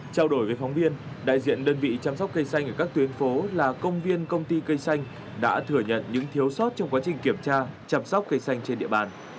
trao đổi với phóng viên đại diện đơn vị chăm sóc cây xanh ở các tuyến phố là công viên công ty cây xanh đã thừa nhận những thiếu sót trong quá trình kiểm tra chăm sóc cây xanh trên địa bàn